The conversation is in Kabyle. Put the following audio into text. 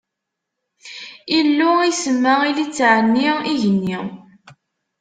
Illu isemma i litteɛ-nni: igenni.